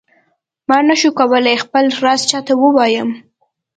ما نه شو کولای خپل راز چاته ووایم.